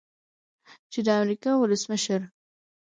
چې د امریکا ولسمشر